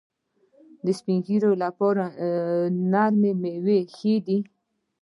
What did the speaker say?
د سپین ږیرو لپاره نرمې میوې ښې دي.